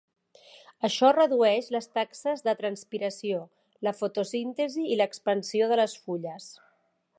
Això redueix les taxes de transpiració, la fotosíntesi i l'expansió de les fulles.